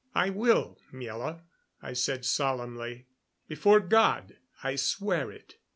"I will, Miela," I said solemnly. "Before God I swear it."